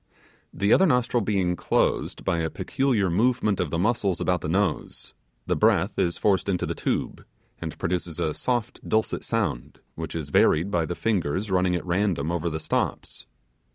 The other nostril being closed by a peculiar movement of the muscles about the nose, the breath is forced into the tube, and produces a soft dulcet sound which is varied by the fingers running at random over the stops.